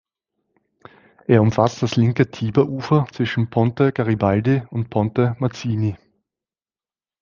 Er umfasst das linke Tiberufer zwischen Ponte Garibaldi und Ponte Mazzini.